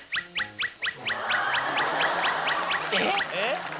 えっ⁉